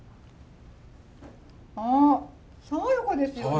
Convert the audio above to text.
あ爽やかですよね。